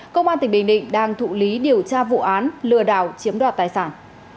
công an tỉnh bình định đang thụ lý điều tra vụ án lừa đảo chiếm đoạt tài sản